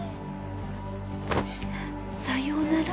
さようなら。